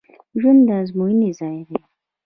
ژوند د ازموینې ځای دی